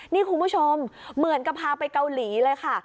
นี่คุณผู้ชมเหมือนกับพาไปเกาหลีเลยค่ะ